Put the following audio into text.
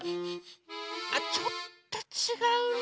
あちょっとちがうな。